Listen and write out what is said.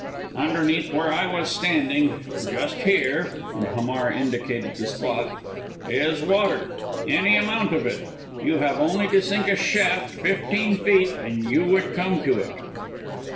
"Underneath where I was standing just here," and Hamar indicated the spot "is water. Any amount of it, you have only to sink a shaft fifteen feet and you would come to it."